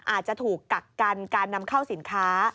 อาจจะถูกกักกันการนำเข้าสินค้า